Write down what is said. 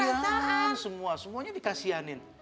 kasian semua semuanya dikasianin